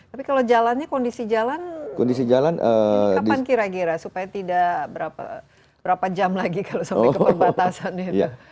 tapi kalau jalannya kondisi jalan kapan kira kira supaya tidak berapa jam lagi kalau sampai ke perbatasan itu